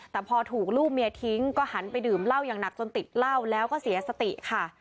แต่พอถูกลูกเมียทิ้งก็หันไปดื่มเหล้าอย่างหนักจนติดเหล้าแล้วก็เสียสติค่ะ